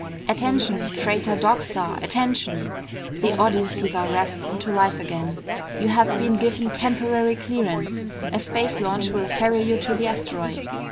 "Attention! Freighter Dog Star! Attention!" the audioceiver rasped into life again. "You have been given temporary clearance. A space launch will ferry you to the asteroid.